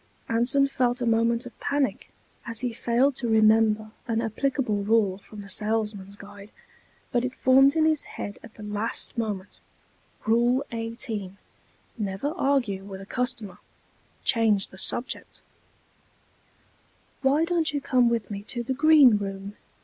Anson felt a moment of panic as he failed to remember an applicable rule from the Salesman's Guide, but it formed in his mind at the last moment: Rule 18: Never argue with a customer change the subject. "Why don't you come with me to the Green Room?"